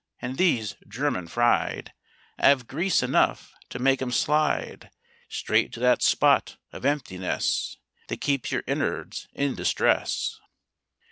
And these "German fried" 'Ave grease enough to make 'em slide Straight to that spot of emptiness That keeps your innards in distress!